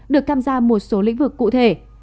được tham gia một số lĩnh vực cụ thể